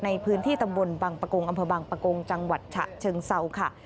ในพื้นที่ตำบลบังปะโกงอำเภอบางปะโกงจังหวัดฉะเชิงเซาค่ะ